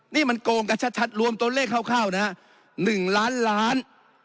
นี่มันโกงกันชัดรวมตัวเลขคร่าวนะฮะ๑ล้านล้าน